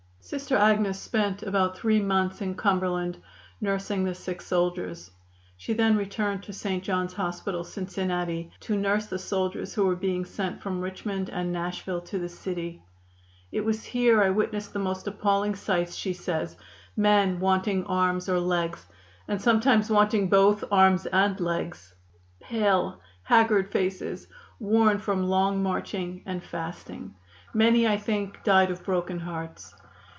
Sister Agnes spent about three months in Cumberland nursing the sick soldiers. She then returned to St. John's Hospital, Cincinnati, to nurse the soldiers who were being sent from Richmond and Nashville to the city. "It was here I witnessed the most appalling sights," she says; "men wanting arms or legs, and sometimes wanting both arms and legs pale, haggard faces, worn from long marching and fasting. Many, I think, died of broken hearts.